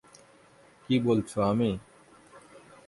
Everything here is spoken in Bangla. কী বলছো, আমি?